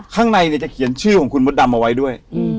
ข้างในเนี่ยจะเขียนชื่อของคุณมดดำเอาไว้ด้วย